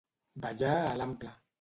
Ballar a l'ampla.